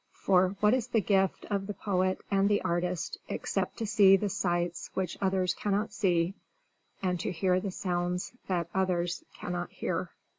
for what is the gift of the poet and the artist except to see the sights which others cannot see and to hear the sounds that others cannot hear?